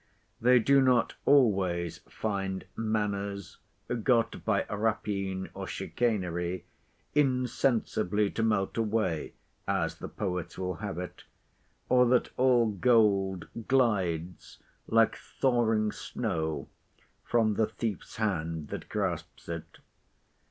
They do not always find manors, got by rapine or chicanery, insensibly to melt away, as the poets will have it; or that all gold glides, like thawing snow, from the thief's hand that grasps it.